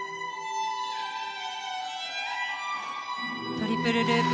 トリプルループ。